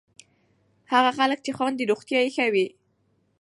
هغه خلک چې خاندي، روغتیا یې ښه وي.